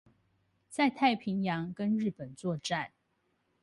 在太平洋跟日本作戰